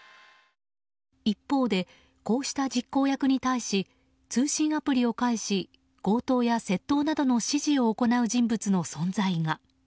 一方で、こうした実行役に対し通信アプリを介し強盗や窃盗などの指示を行う人物の存在が。